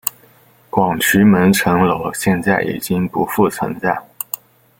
广渠门城楼现在已经不复存在。